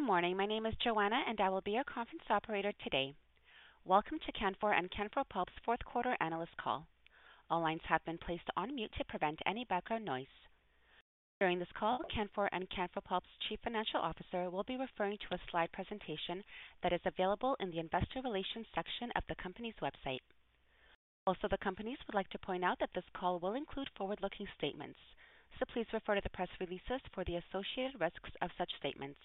Good morning, my name is Joanna and I will be your conference operator today. Welcome to Canfor and Canfor Pulp's Fourth-Quarter Analyst Call. All lines have been placed on mute to prevent any background noise. During this call, Canfor and Canfor Pulp's Chief Financial Officer will be referring to a slide presentation that is available in the Investor Relations section of the company's website. Also, the companies would like to point out that this call will include forward-looking statements, so please refer to the press releases for the associated risks of such statements.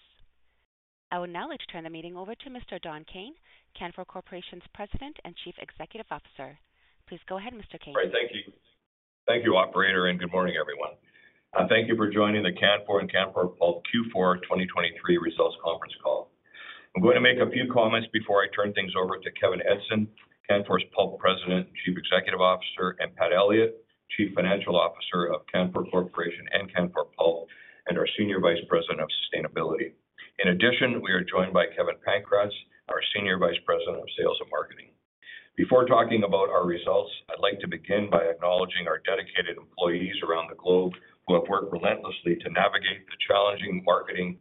I will now let you turn the meeting over to Mr. Don Kayne, Canfor Corporation's President and Chief Executive Officer. Please go ahead, Mr. Kayne. All right, thank you. Thank you, Operator, and good morning, everyone. Thank you for joining the Canfor and Canfor Pulp Q4 2023 Results Conference Call. I'm going to make a few comments before I turn things over to Kevin Edgson, Canfor's Pulp President and Chief Executive Officer, and Pat Elliott, Chief Financial Officer of Canfor Corporation and Canfor Pulp, and our Senior Vice President of Sustainability. In addition, we are joined by Kevin Pankratz, our Senior Vice President of Sales and Marketing. Before talking about our results, I'd like to begin by acknowledging our dedicated employees around the globe who have worked relentlessly to navigate the challenging marketing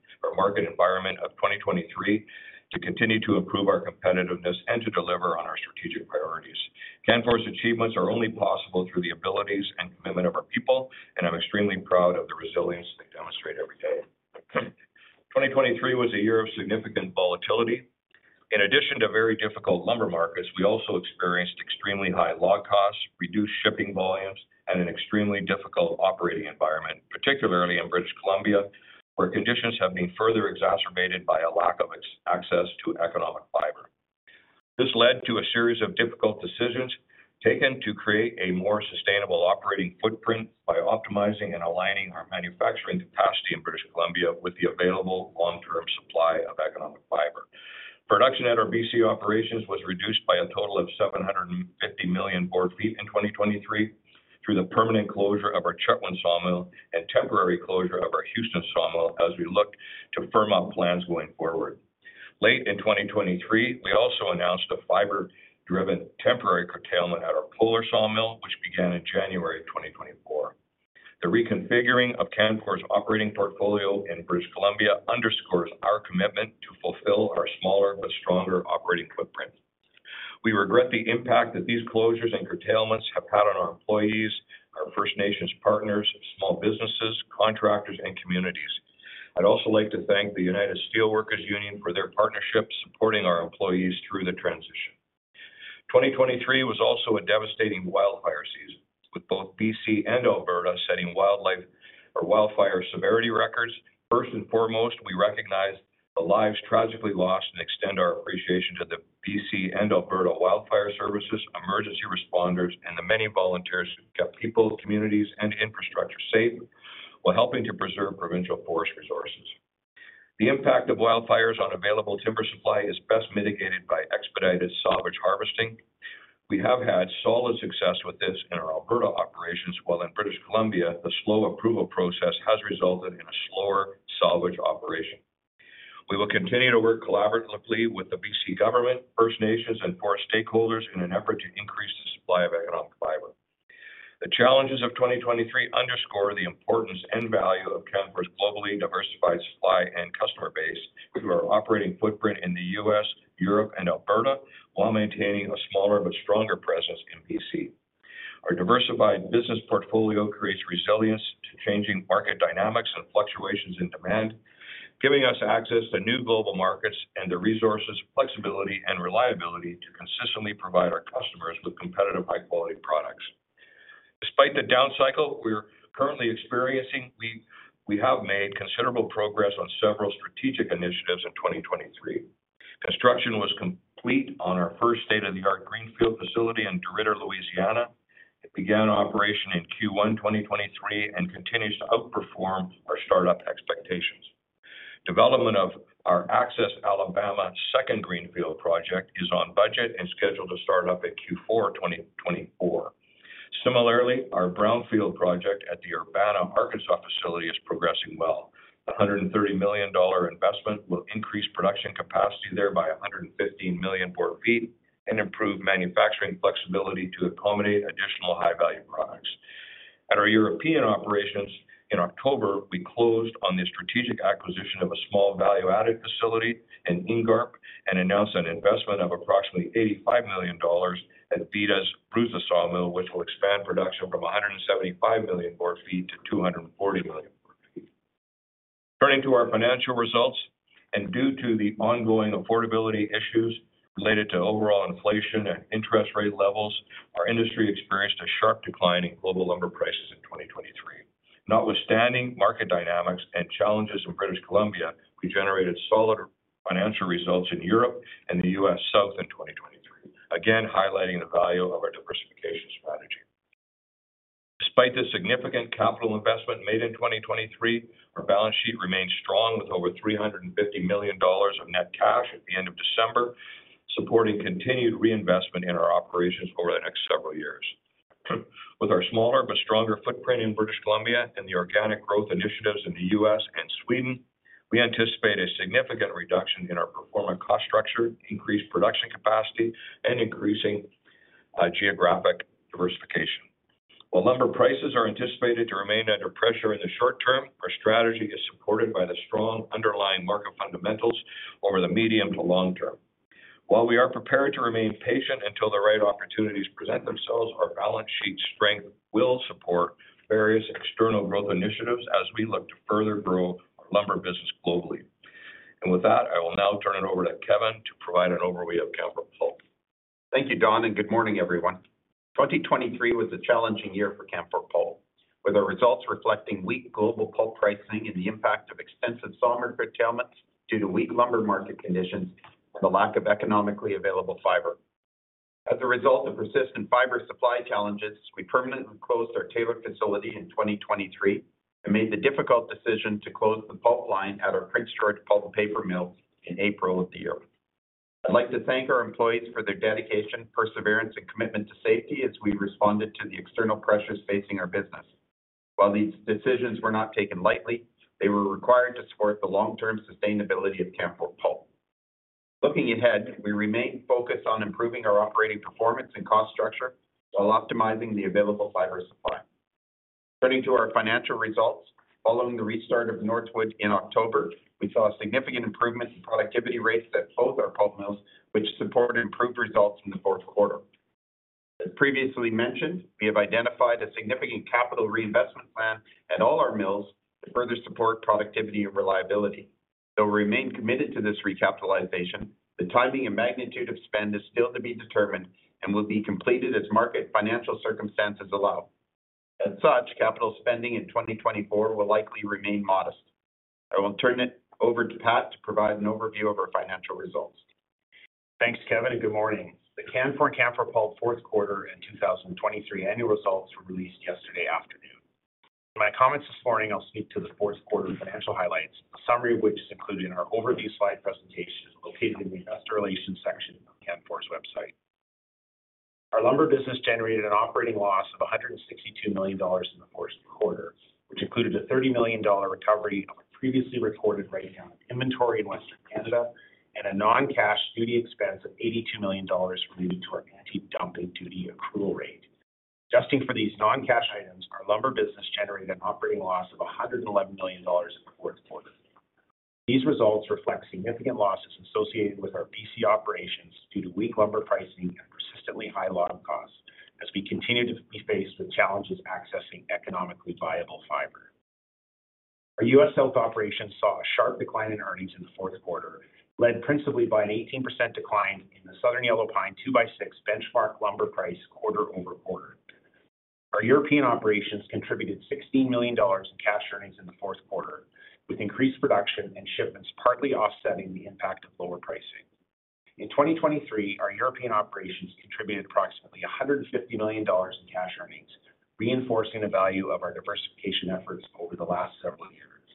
environment of 2023, to continue to improve our competitiveness, and to deliver on our strategic priorities. Canfor's achievements are only possible through the abilities and commitment of our people, and I'm extremely proud of the resilience they demonstrate every day. 2023 was a year of significant volatility. In addition to very difficult lumber markets, we also experienced extremely high log costs, reduced shipping volumes, and an extremely difficult operating environment, particularly in British Columbia, where conditions have been further exacerbated by a lack of access to economic fiber. This led to a series of difficult decisions taken to create a more sustainable operating footprint by optimizing and aligning our manufacturing capacity in British Columbia with the available long-term supply of economic fiber. Production at our BC operations was reduced by a total of 750 million board feet in 2023 through the permanent closure of our Chetwynd sawmill and temporary closure of our Houston sawmill as we looked to firm up plans going forward. Late in 2023, we also announced a fiber-driven temporary curtailment at our Polar sawmill, which began in January of 2024. The reconfiguring of Canfor's operating portfolio in British Columbia underscores our commitment to fulfill our smaller but stronger operating footprint. We regret the impact that these closures and curtailments have had on our employees, our First Nations partners, small businesses, contractors, and communities. I'd also like to thank the United Steelworkers Union for their partnership supporting our employees through the transition. 2023 was also a devastating wildfire season, with both BC and Alberta setting wildlife or wildfire severity records. First and foremost, we recognize the lives tragically lost and extend our appreciation to the BC and Alberta Wildfire Services, emergency responders, and the many volunteers who kept people, communities, and infrastructure safe while helping to preserve provincial forest resources. The impact of wildfires on available timber supply is best mitigated by expedited salvage harvesting. We have had solid success with this in our Alberta operations, while in British Columbia, the slow approval process has resulted in a slower salvage operation. We will continue to work collaboratively with the BC government, First Nations, and forest stakeholders in an effort to increase the supply of economic fiber. The challenges of 2023 underscore the importance and value of Canfor's globally diversified supply and customer base through our operating footprint in the U.S., Europe, and Alberta, while maintaining a smaller but stronger presence in BC. Our diversified business portfolio creates resilience to changing market dynamics and fluctuations in demand, giving us access to new global markets and the resources, flexibility, and reliability to consistently provide our customers with competitive, high-quality products. Despite the downcycle we're currently experiencing, we have made considerable progress on several strategic initiatives in 2023. Construction was complete on our first state-of-the-art greenfield facility in DeRidder, Louisiana. It began operation in Q1 2023 and continues to outperform our startup expectations. Development of our Axis, Alabama second greenfield project is on budget and scheduled to start up at Q4 2024. Similarly, our brownfield project at the Urbana, Arkansas facility is progressing well. The $130 million investment will increase production capacity there by 115 million board feet and improve manufacturing flexibility to accommodate additional high-value products. At our European operations in October, we closed on the strategic acquisition of a small value-added facility, an Ingarps, and announced an investment of approximately $85 million at Vida's Bruza sawmill, which will expand production from 175 million board feet to 240 million board feet. Turning to our financial results, and due to the ongoing affordability issues related to overall inflation and interest rate levels, our industry experienced a sharp decline in global lumber prices in 2023. Notwithstanding market dynamics and challenges in British Columbia, we generated solid financial results in Europe and the U.S. South in 2023, again highlighting the value of our diversification strategy. Despite the significant capital investment made in 2023, our balance sheet remains strong with over 350 million dollars of net cash at the end of December. With our smaller but stronger footprint in British Columbia and the organic growth initiatives in the U.S. and Sweden, we anticipate a significant reduction in our performance cost structure, increased production capacity, and increasing geographic diversification. While lumber prices are anticipated to remain under pressure in the short term, our strategy is supported by the strong underlying market fundamentals over the medium to long term. While we are prepared to remain patient until the right opportunities present themselves, our balance sheet strength will support various external growth initiatives as we look to further grow our lumber business globally. With that, I will now turn it over to Kevin to provide an overview of Canfor Pulp. Thank you, Don, and good morning, everyone. 2023 was a challenging year for Canfor Pulp, with our results reflecting weak global pulp pricing and the impact of extensive sawmill curtailments due to weak lumber market conditions and the lack of economically available fiber. As a result of persistent fiber supply challenges, we permanently closed our Taylor facility in 2023 and made the difficult decision to close the pulp line at our Prince George Pulp and Paper Mill in April of the year. I'd like to thank our employees for their dedication, perseverance, and commitment to safety as we responded to the external pressures facing our business. While these decisions were not taken lightly, they were required to support the long-term sustainability of Canfor Pulp. Looking ahead, we remain focused on improving our operating performance and cost structure while optimizing the available fiber supply. Turning to our financial results, following the restart of Northwood in October, we saw a significant improvement in productivity rates at both our pulp mills, which supported improved results in the fourth quarter. As previously mentioned, we have identified a significant capital reinvestment plan at all our mills to further support productivity and reliability. Though we remain committed to this recapitalization, the timing and magnitude of spend is still to be determined and will be completed as market financial circumstances allow. As such, capital spending in 2024 will likely remain modest. I will turn it over to Pat to provide an overview of our financial results. Thanks, Kevin, and good morning. The Canfor and Canfor Pulp fourth quarter and 2023 annual results were released yesterday afternoon. In my comments this morning, I'll speak to the fourth quarter financial highlights, a summary of which is included in our overview slide presentation located in the Investor Relations section of Canfor's website. Our lumber business generated an operating loss of 162 million dollars in the fourth quarter, which included a 30 million dollar recovery of a previously recorded write-down of inventory in Western Canada and a non-cash duty expense of 82 million dollars related to our anti-dumping duty accrual rate. Adjusting for these non-cash items, our lumber business generated an operating loss of 111 million dollars in the fourth quarter. These results reflect significant losses associated with our BC operations due to weak lumber pricing and persistently high log costs as we continue to be faced with challenges accessing economically viable fiber. Our U.S. South operations saw a sharp decline in earnings in the fourth quarter, led principally by an 18% decline in the Southern Yellow Pine 2x6 benchmark lumber price quarter-over-quarter. Our European operations contributed $16 million in cash earnings in the fourth quarter, with increased production and shipments partly offsetting the impact of lower pricing. In 2023, our European operations contributed approximately $150 million in cash earnings, reinforcing the value of our diversification efforts over the last several years.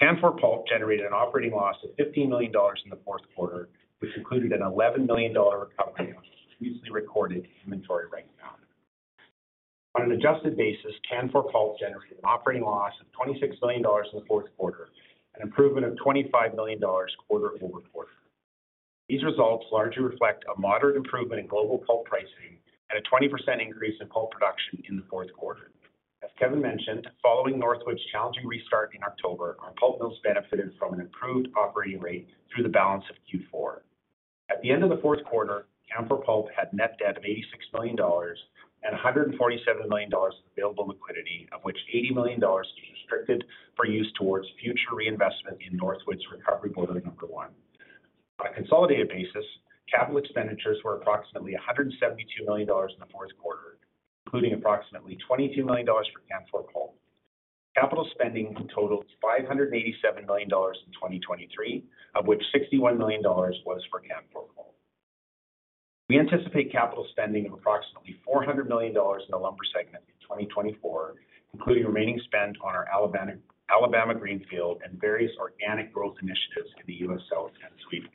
Canfor Pulp generated an operating loss of $15 million in the fourth quarter, which included an $11 million recovery of a previously recorded inventory write-down. On an adjusted basis, Canfor Pulp generated an operating loss of $26 million in the fourth quarter, an improvement of $25 million quarter-over-quarter. These results largely reflect a moderate improvement in global pulp pricing and a 20% increase in pulp production in the fourth quarter. As Kevin mentioned, following Northwood's challenging restart in October, our pulp mills benefited from an improved operating rate through the balance of Q4. At the end of the fourth quarter, Canfor Pulp had net debt of $86 million and $147 million of available liquidity, of which $80 million was restricted for use towards future reinvestment in Northwood's recovery boiler number one. On a consolidated basis, capital expenditures were approximately $172 million in the fourth quarter, including approximately $22 million for Canfor Pulp. Capital spending totaled $587 million in 2023, of which $61 million was for Canfor Pulp. We anticipate capital spending of approximately $400 million in the lumber segment in 2024, including remaining spend on our Alabama greenfield and various organic growth initiatives in the U.S. South and Sweden.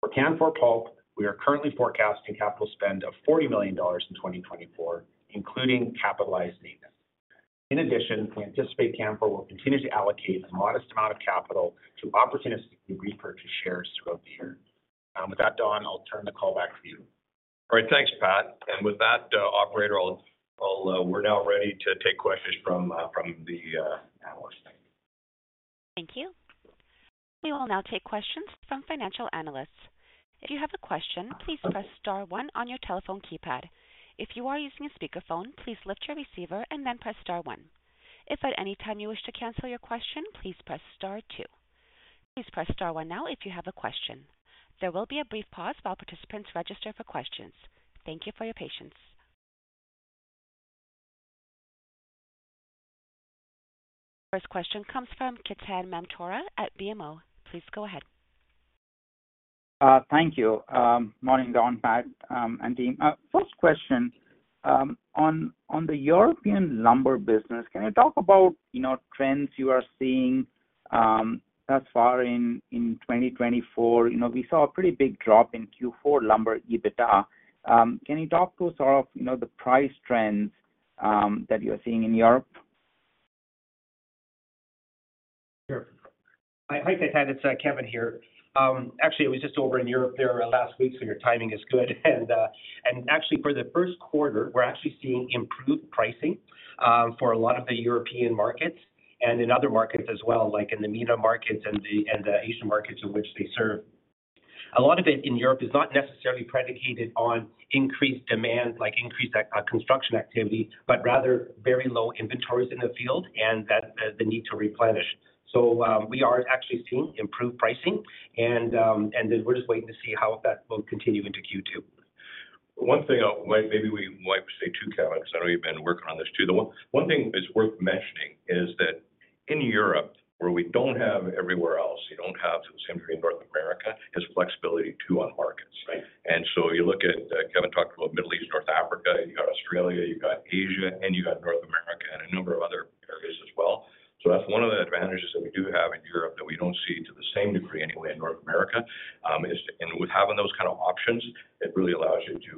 For Canfor Pulp, we are currently forecasting capital spend of 40 million dollars in 2024, including capitalized maintenance. In addition, we anticipate Canfor will continue to allocate a modest amount of capital to opportunistically repurchase shares throughout the year. With that, Don, I'll turn the call back to you. All right, thanks, Pat. And with that, operator, we're now ready to take questions from the panelists. Thank you. We will now take questions from financial analysts. If you have a question, please press star one on your telephone keypad. If you are using a speakerphone, please lift your receiver and then press star one. If at any time you wish to cancel your question, please press star two. Please press star one now if you have a question. There will be a brief pause while participants register for questions. Thank you for your patience. First question comes from Ketan Mamtora at BMO. Please go ahead. Thank you. Morning, Don, Pat, and team. First question, on the European lumber business, can you talk about trends you are seeing thus far in 2024? We saw a pretty big drop in Q4 lumber EBITDA. Can you talk to us sort of the price trends that you are seeing in Europe? Sure. Hi, Ketan. It's Kevin here. Actually, it was just over in Europe there last week, so your timing is good. Actually, for the first quarter, we're actually seeing improved pricing for a lot of the European markets and in other markets as well, like in the MENA markets and the Asian markets in which they serve. A lot of it in Europe is not necessarily predicated on increased demand, like increased construction activity, but rather very low inventories in the field and the need to replenish. So we are actually seeing improved pricing, and we're just waiting to see how that will continue into Q2. One thing I'll maybe we might say two, Kevin, because I know you've been working on this too. The one thing that's worth mentioning is that in Europe, where we don't have everywhere else, you don't have to the same degree in North America, is flexibility too on markets. And so you look at Kevin talked about Middle East, North Africa, you got Australia, you got Asia, and you got North America and a number of other areas as well. So that's one of the advantages that we do have in Europe that we don't see to the same degree anyway in North America. And with having those kind of options, it really allows you to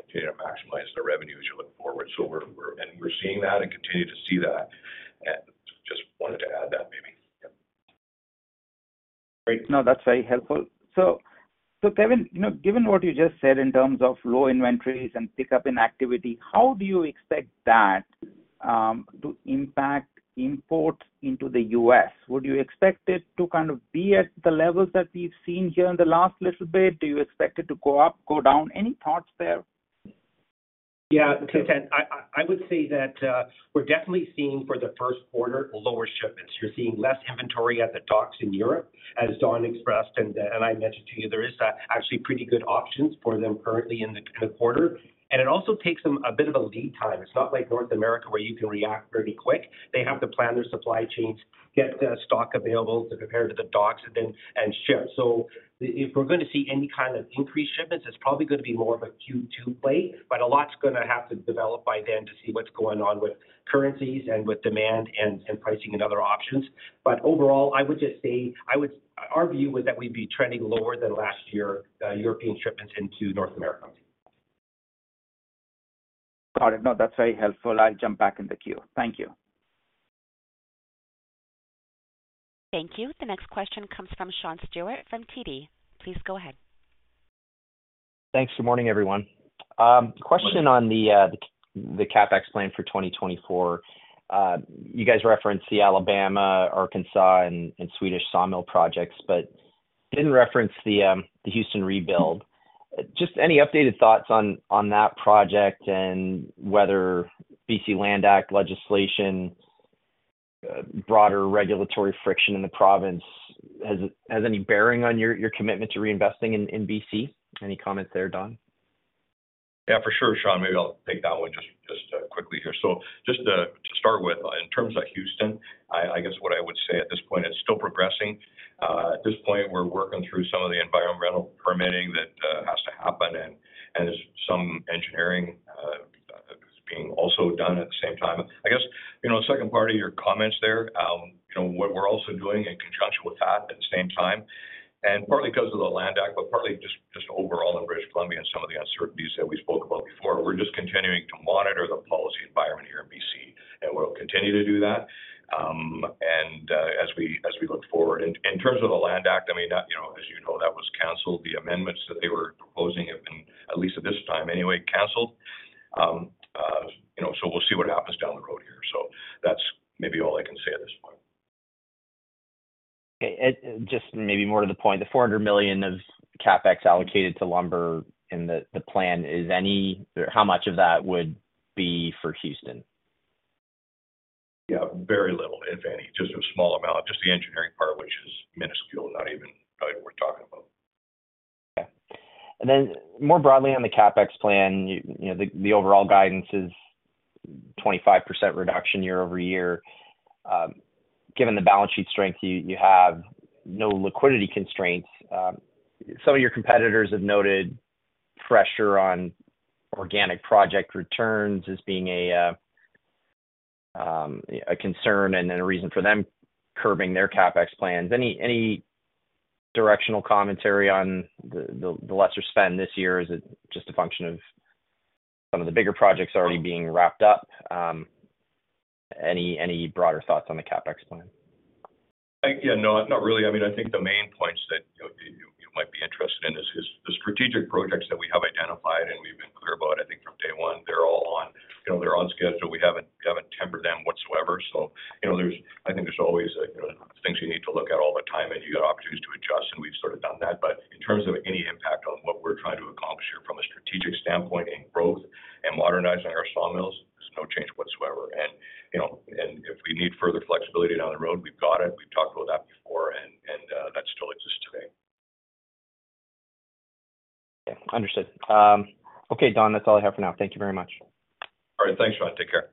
continue to maximize the revenues you're looking forward. And we're seeing that and continue to see that. And just wanted to add that, maybe. Great. No, that's very helpful. So Kevin, given what you just said in terms of low inventories and pickup in activity, how do you expect that to impact imports into the U.S.? Would you expect it to kind of be at the levels that we've seen here in the last little bit? Do you expect it to go up, go down? Any thoughts there? Yeah, Ketan, I would say that we're definitely seeing for the first quarter lower shipments. You're seeing less inventory at the docks in Europe, as Don expressed and I mentioned to you. There are actually pretty good options for them currently in the quarter. And it also takes them a bit of a lead time. It's not like North America where you can react pretty quick. They have to plan their supply chains, get stock available to compare to the docks, and then ship. So if we're going to see any kind of increased shipments, it's probably going to be more of a Q2 play, but a lot's going to have to develop by then to see what's going on with currencies and with demand and pricing and other options. Overall, I would just say our view was that we'd be trending lower than last year European shipments into North America. Got it. No, that's very helpful. I'll jump back in the queue. Thank you. Thank you. The next question comes from Sean Steuart from TD. Please go ahead. Thanks. Good morning, everyone. Question on the CapEx plan for 2024. You guys referenced the Alabama, Arkansas, and Swedish sawmill projects, but didn't reference the Houston rebuild. Just any updated thoughts on that project and whether BC Land Act legislation, broader regulatory friction in the province, has any bearing on your commitment to reinvesting in BC? Any comments there, Don? Yeah, for sure, Sean. Maybe I'll take that one just quickly here. So just to start with, in terms of Houston, I guess what I would say at this point, it's still progressing. At this point, we're working through some of the environmental permitting that has to happen, and there's some engineering being also done at the same time. I guess, second part of your comments there, what we're also doing in conjunction with that at the same time, and partly because of the Land Act, but partly just overall in British Columbia and some of the uncertainties that we spoke about before, we're just continuing to monitor the policy environment here in BC, and we'll continue to do that as we look forward. In terms of the Land Act, I mean, as you know, that was canceled. The amendments that they were proposing have been, at least at this time anyway, canceled. So we'll see what happens down the road here. So that's maybe all I can say at this point. Okay. Just maybe more to the point, the $400 million of CapEx allocated to lumber in the plan, how much of that would be for Houston? Yeah, very little, if any, just a small amount, just the engineering part, which is minuscule, not even worth talking about. Okay. And then more broadly on the CapEx plan, the overall guidance is 25% reduction year-over-year. Given the balance sheet strength you have, no liquidity constraints. Some of your competitors have noted pressure on organic project returns as being a concern and then a reason for them curbing their CapEx plans. Any directional commentary on the lesser spend this year? Is it just a function of some of the bigger projects already being wrapped up? Any broader thoughts on the CapEx plan? Yeah, no, not really. I mean, I think the main points that you might be interested in is the strategic projects that we have identified and we've been clear about, I think, from day one, they're all on schedule. We haven't tempered them whatsoever. So I think there's always things you need to look at all the time, and you got opportunities to adjust, and we've sort of done that. But in terms of any impact on what we're trying to accomplish here from a strategic standpoint in growth and modernizing our sawmills, there's no change whatsoever. And if we need further flexibility down the road, we've got it. We've talked about that before, and that still exists today. Yeah, understood. Okay, Don, that's all I have for now. Thank you very much. All right. Thanks, Sean. Take care.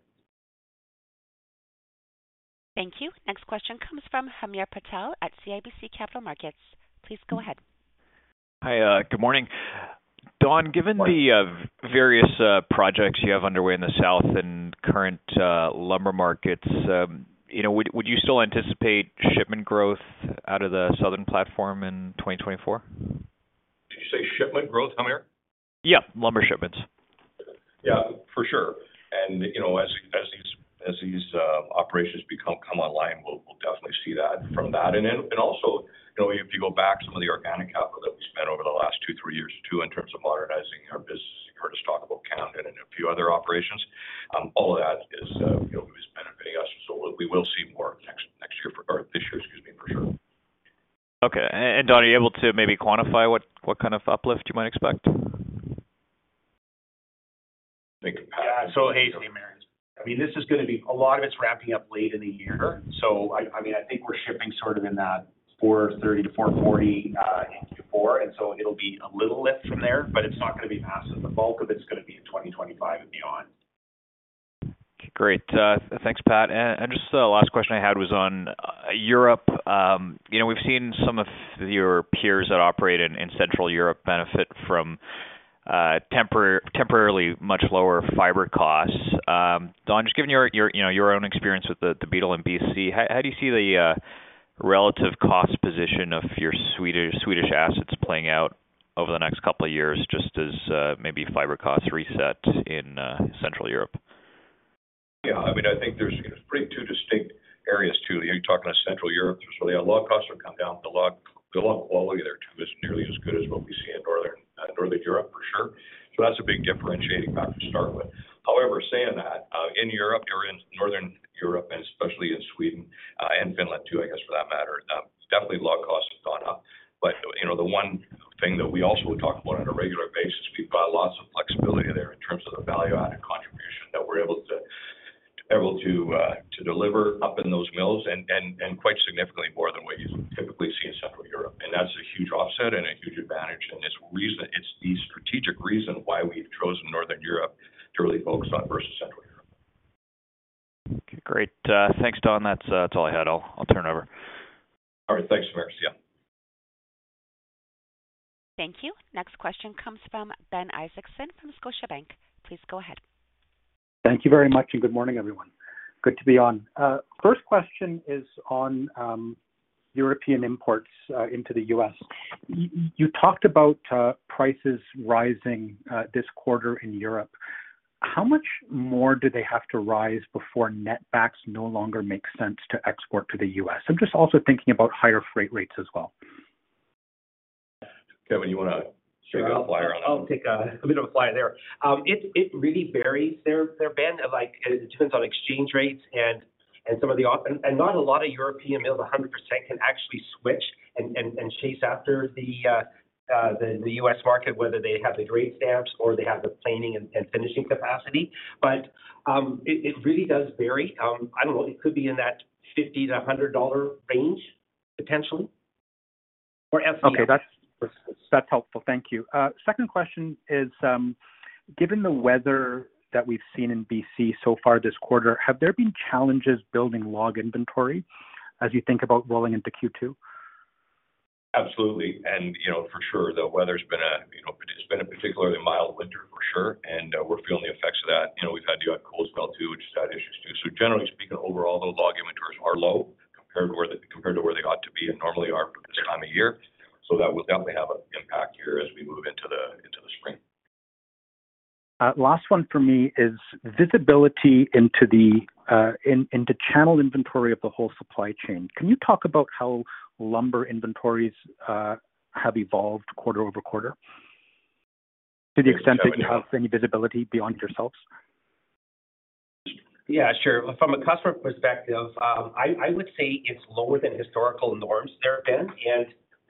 Thank you. Next question comes from Hamir Patel at CIBC Capital Markets. Please go ahead. Hi. Good morning. Don, given the various projects you have underway in the South and current lumber markets, would you still anticipate shipment growth out of the Southern platform in 2024? Did you say shipment growth, Hamir? Yeah, lumber shipments. Yeah, for sure. And as these operations come online, we'll definitely see that from that. And also, if you go back, some of the organic capital that we spent over the last 2, 3 years too in terms of modernizing our business, you heard us talk about Camden and a few other operations. All of that is benefiting us. So we will see more next year or this year, excuse me, for sure. Okay. And Don, are you able to maybe quantify what kind of uplift you might expect? Yeah, it's so hasty, Mary. I mean, this is going to be a lot of it's wrapping up late in the year. So I mean, I think we're shipping sort of in that 4.3-4.4 in Q4. And so it'll be a little lift from there, but it's not going to be massive. The bulk of it's going to be in 2025 and beyond. Great. Thanks, Pat. Just the last question I had was on Europe. We've seen some of your peers that operate in Central Europe benefit from temporarily much lower fiber costs. Don, just given your own experience with the Beetle in BC, how do you see the relative cost position of your Swedish assets playing out over the next couple of years just as maybe fiber costs reset in Central Europe? Yeah. I mean, I think there are two distinct areas too. You're talking to Central Europe. There's really a lot of costs that come down, but the log quality there too isn't nearly as good as what we see in Northern Europe, for sure. So that's a big differentiating factor to start with. However, saying that, in Europe, you're in Northern Europe and especially in Sweden and Finland too, I guess, for that matter, definitely log costs have gone up. But the one thing that we also talk about on a regular basis, we've got lots of flexibility there in terms of the value-added contribution that we're able to deliver up in those mills and quite significantly more than what you typically see in Central Europe. And that's a huge offset and a huge advantage. It's the strategic reason why we've chosen Northern Europe to really focus on versus Central Europe. Okay. Great. Thanks, Don. That's all I had. I'll turn over. All right. Thanks, Hamir. Yeah. Thank you. Next question comes from Ben Isaacson from Scotiabank. Please go ahead. Thank you very much, and good morning, everyone. Good to be on. First question is on European imports into the U.S. You talked about prices rising this quarter in Europe. How much more do they have to rise before net backs no longer make sense to export to the U.S.? I'm just also thinking about higher freight rates as well. Kevin, you want to take a flyer on that one? I'll take a bit of a flyer there. It really varies. It depends on exchange rates, and not a lot of European mills 100% can actually switch and chase after the U.S. market, whether they have the grade stamps or they have the planing and finishing capacity. But it really does vary. I don't know. It could be in that $50-$100 range, potentially, or per MBF. Okay. That's helpful. Thank you. Second question is, given the weather that we've seen in BC so far this quarter, have there been challenges building log inventory as you think about rolling into Q2? Absolutely. For sure, the weather's been a particularly mild winter, for sure, and we're feeling the effects of that. We've had to do a cool spell too, which has had issues too. Generally speaking, overall, though, log inventories are low compared to where they ought to be and normally are for this time of year. That will definitely have an impact here as we move into the spring. Last one for me is visibility into channel inventory of the whole supply chain. Can you talk about how lumber inventories have evolved quarter-over-quarter to the extent that you have any visibility beyond yourselves? Yeah, sure. From a customer perspective, I would say it's lower than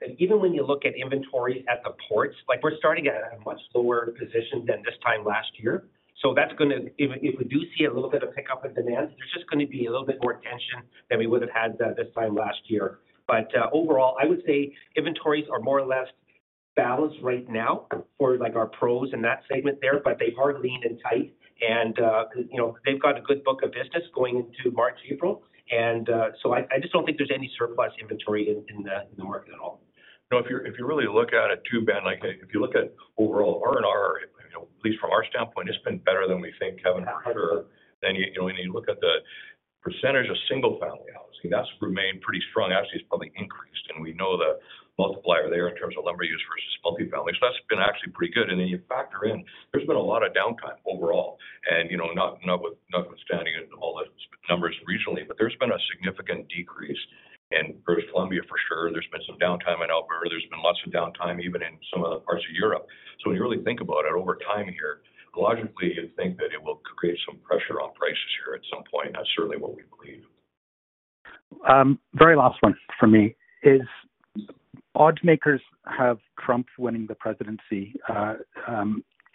historical norms there have been. Even when you look at inventories at the ports, we're starting at a much lower position than this time last year. So if we do see a little bit of pickup in demand, there's just going to be a little bit more tension than we would have had this time last year. But overall, I would say inventories are more or less balanced right now for our pros in that segment there, but they are lean and tight, and they've got a good book of business going into March, April. So I just don't think there's any surplus inventory in the market at all. If you really look at it too, Ben, if you look at overall R&R, at least from our standpoint, it's been better than we think, Kevin, and I'm sure. You look at the percentage of single-family housing; that's remained pretty strong. Actually, it's probably increased, and we know the multiplier there in terms of lumber use versus multifamily. So that's been actually pretty good. And then you factor in there's been a lot of downtime overall, and notwithstanding all the numbers regionally, but there's been a significant decrease in British Columbia, for sure. There's been some downtime in Alberta. There's been lots of downtime even in some of the parts of Europe. So when you really think about it over time here, logically, you'd think that it will create some pressure on prices here at some point. That's certainly what we believe. Very last one for me is oddsmakers have Trump winning the presidency.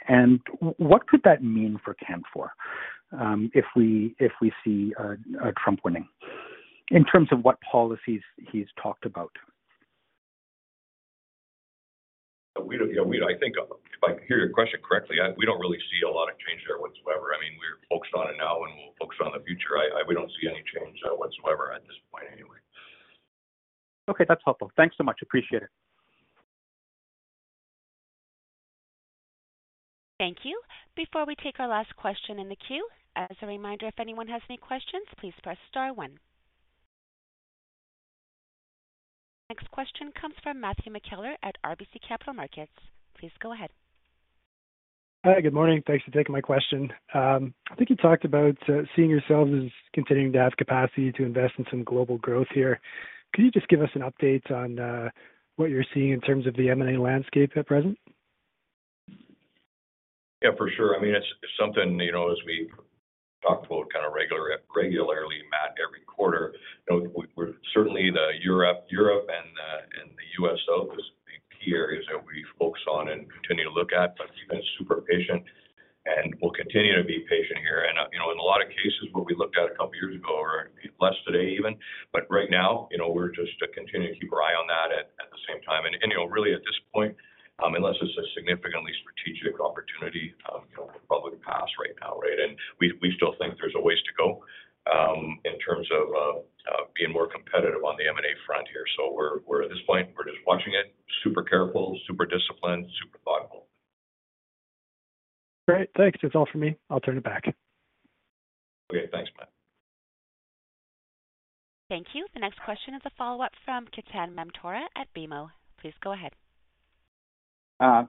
And what could that mean for Canfor if we see Trump winning in terms of what policies he's talked about? Yeah, I think if I hear your question correctly, we don't really see a lot of change there whatsoever. I mean, we're focused on it now, and we'll focus on the future. We don't see any change whatsoever at this point anyway. Okay. That's helpful. Thanks so much. Appreciate it. Thank you. Before we take our last question in the queue, as a reminder, if anyone has any questions, please press star one. Next question comes from Matthew McKellar at RBC Capital Markets. Please go ahead. Hi. Good morning. Thanks for taking my question. I think you talked about seeing yourselves as continuing to have capacity to invest in some global growth here. Could you just give us an update on what you're seeing in terms of the M&A landscape at present? Yeah, for sure. I mean, it's something, as we talked about kind of regularly, Matt, every quarter. Certainly, Europe and the U.S. is the key areas that we focus on and continue to look at. But we've been super patient, and we'll continue to be patient here. And in a lot of cases, what we looked at a couple of years ago or less today even, but right now, we're just to continue to keep our eye on that at the same time. And really, at this point, unless it's a significantly strategic opportunity, we'll probably pass right now, right? And we still think there's a ways to go in terms of being more competitive on the M&A front here. So at this point, we're just watching it, super careful, super disciplined, super thoughtful. Great. Thanks. That's all from me. I'll turn it back. Okay. Thanks, Matt. Thank you. The next question is a follow-up from Ketan Mamtora at BMO. Please go ahead.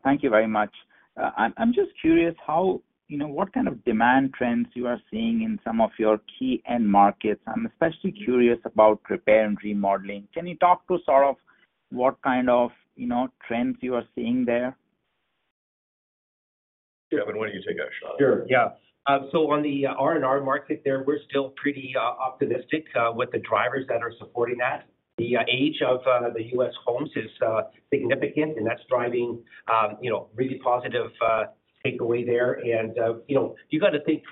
Thank you very much. I'm just curious what kind of demand trends you are seeing in some of your key end markets. I'm especially curious about repair and remodeling. Can you talk to sort of what kind of trends you are seeing there? Sure, Kevin. Why don't you take a shot? Sure. Yeah. So on the R&R market there, we're still pretty optimistic with the drivers that are supporting that. The age of the U.S. homes is significant, and that's driving really positive takeaway there. And you got to think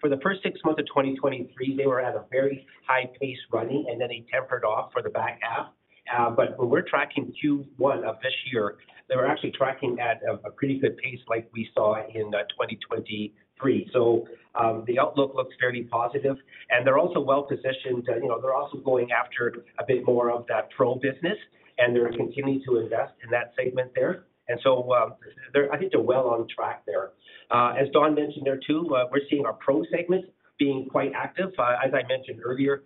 for the first six months of 2023, they were at a very high pace running, and then they tempered off for the back half. But when we're tracking Q1 of this year, they were actually tracking at a pretty good pace like we saw in 2023. So the outlook looks fairly positive. And they're also well-positioned. They're also going after a bit more of that pro business, and they're continuing to invest in that segment there. And so I think they're well on track there. As Don mentioned there too, we're seeing our pro segment being quite active. As I mentioned earlier,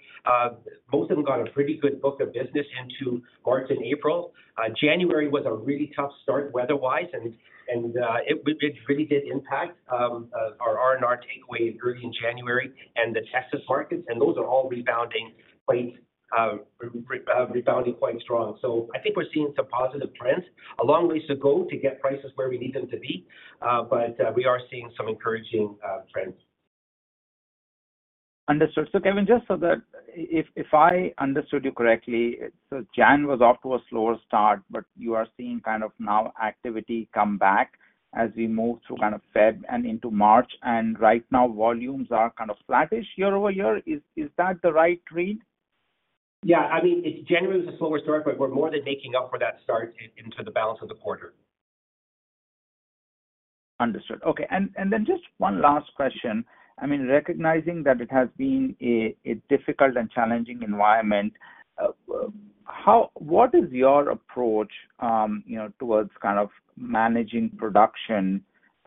most of them got a pretty good book of business into March and April. January was a really tough start weather-wise, and it really did impact our R&R takeaway early in January and the Texas markets. Those are all rebounding quite strong. I think we're seeing some positive trends. A long ways to go to get prices where we need them to be, but we are seeing some encouraging trends. Understood. So Kevin, just so that if I understood you correctly, so January was off to a slower start, but you are seeing kind of now activity come back as we move through kind of February and into March. And right now, volumes are kind of flattish year-over-year. Is that the right read? Yeah. I mean, January was a slower start, but we're more than making up for that start into the balance of the quarter. Understood. Okay. And then just one last question. I mean, recognizing that it has been a difficult and challenging environment, what is your approach towards kind of managing production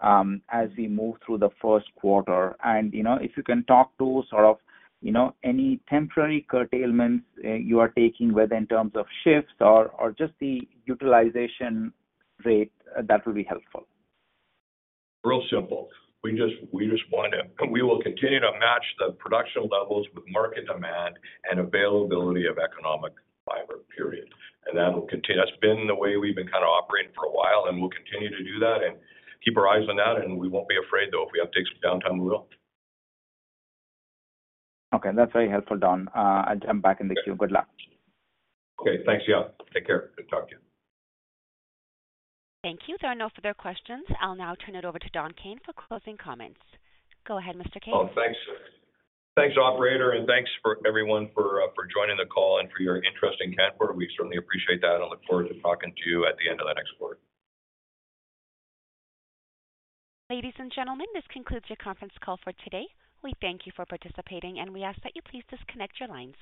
as we move through the first quarter? And if you can talk to sort of any temporary curtailments you are taking, whether in terms of shifts or just the utilization rate, that will be helpful. Real simple. We just want to we will continue to match the production levels with market demand and availability of economic fiber, period. And that's been the way we've been kind of operating for a while, and we'll continue to do that and keep our eyes on that. And we won't be afraid, though. If we have to take some downtime, we will. Okay. That's very helpful, Don. I'll jump back in the queue. Good luck. Okay. Thanks. Yeah. Take care. Good talk to you. Thank you. There are no further questions. I'll now turn it over to Don Kayne for closing comments. Go ahead, Mr. Kayne. Oh, thanks. Thanks, operator, and thanks for everyone for joining the call and for your interest in Canfor. We certainly appreciate that and look forward to talking to you at the end of the next quarter. Ladies and gentlemen, this concludes your conference call for today. We thank you for participating, and we ask that you please disconnect your lines.